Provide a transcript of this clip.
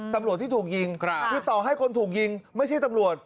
ตำรวจที่ถูกยิงคือต่อให้คนถูกยิงไม่ใช่ตำรวจ